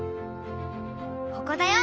ここだよ。